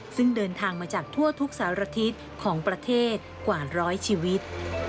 ซึ่งเดินทางมาจากทั่วทุกสารทิศของประเทศกว่าร้อยชีวิต